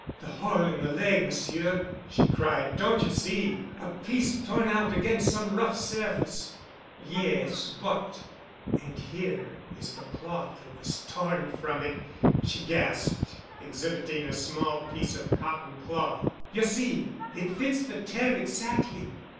"The hole in the leg, Monsieur," she cried. "Don't you see? A piece torn out against some rough surface——" "Yes, but——" "And here is the cloth that was torn from it," she gasped, exhibiting a small piece of cotton cloth. "You see? It fits the tear exactly."